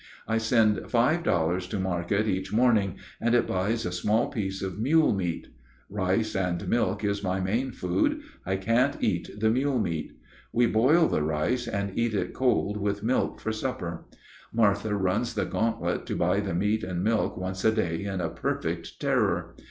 I send five dollars to market each morning, and it buys a small piece of mule meat. Rice and milk is my main food; I can't eat the mule meat. We boil the rice and eat it cold with milk for supper. Martha runs the gauntlet to buy the meat and milk once a day in a perfect terror.